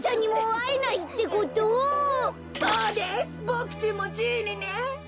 ボクちんもじいにね。